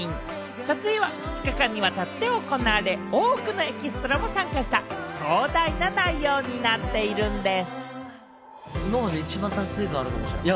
撮影は２日間にわたって行われ、多くのエキストラも参加した、壮大な内容になっているんでぃす。